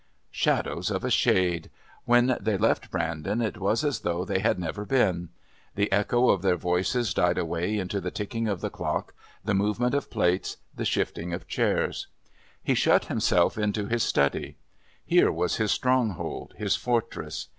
Shadows of a shade! When they left Brandon it was as though they had never been; the echo of their voices died away into the ticking of the clock, the movement of plates, the shifting of chairs. He shut himself into his study. Here was his stronghold, his fortress.